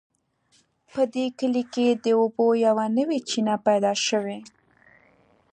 په دې کلي کې د اوبو یوه نوې چینه پیدا شوې